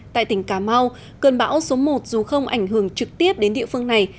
tại tỉnh cà mau cơn bão số một dù không ảnh hưởng trực tiếp đến địa phương này